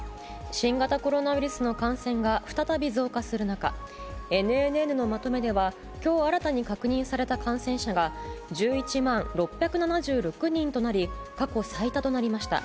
新型コロナウイルスの感染が再び増加する中、ＮＮＮのまとめでは、きょう新たに確認された感染者が、１１万６７６人となり、過去最多となりました。